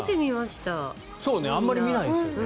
あまり見ないですよね。